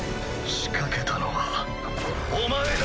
⁉仕掛けたのはお前だ。